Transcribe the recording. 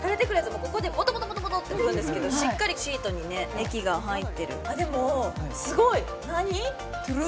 もうここでボトボトボトボトってくるんですけどしっかりシートにね液が入ってるでもすごい何？